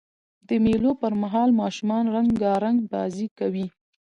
د مېلو پر مهال ماشومان رنګارنګ بازۍ کوي.